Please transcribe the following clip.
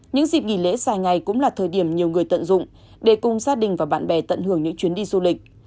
những dịp nghỉ lễ dài ngày cũng là thời điểm nhiều người tận dụng để cùng gia đình và bạn bè tận hưởng những chuyến đi du lịch